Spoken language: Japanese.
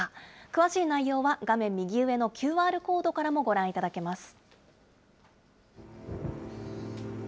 詳しい内容は画面右上のＱＲコードからもご覧いただけます。